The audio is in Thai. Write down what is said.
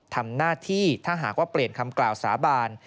ทำหน้าที่ถ้าหากว่าเปลี่ยนคำกล่าวสาบาน